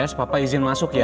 papa izin masuk ya